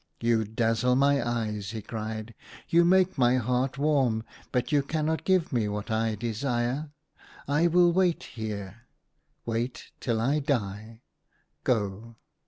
" You dazzle my eyes," he cried, " you make my heart warm ; but you cannot give me what I desire. I will wait here — wait till I die. Go